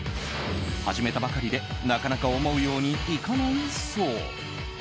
始めたばかりでなかなか思うようにいかないそう。